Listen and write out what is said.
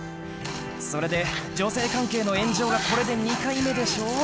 それで女性関係の炎上がこれで２回目でしょ？